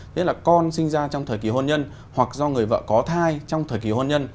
nhất là con sinh ra trong thời kỳ hôn nhân hoặc do người vợ có thai trong thời kỳ hôn nhân